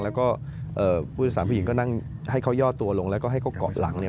แล้วก็ผู้โดยสารผู้หญิงก็นั่งให้เขาย่อตัวลงแล้วก็ให้เขาเกาะหลังเนี่ย